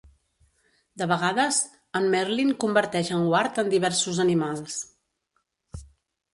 De vegades, en Merlyn converteix en Wart en diversos animals.